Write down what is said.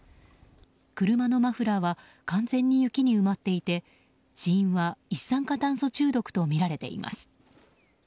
車のマフラーは完全に雪に埋まっていて死因は一酸化炭素中毒とみられています。